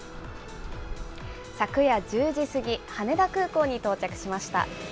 昨夜１０時過ぎ、羽田空港に到着しました。